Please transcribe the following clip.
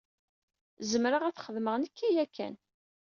Zemreɣ ad t-xedmeɣ nekki yakan.